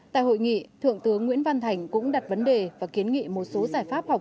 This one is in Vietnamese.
tại hội nghị thượng tướng nguyễn văn thành cũng đặt vấn đề và kiến nghị một số giải pháp học